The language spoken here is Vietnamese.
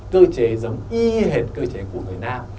cơ chế giống y hệt cơ chế của người nam